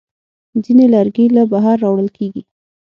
ځینې لرګي له بهره راوړل کېږي.